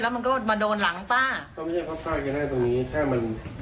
แล้วมันก็มาโดนหลังป๊าก็ไม่ใช่เพราะป๊าก็ได้ตรงนี้แค่มัน